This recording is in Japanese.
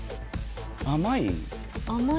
・甘い？